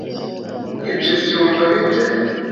ibyo byumva bite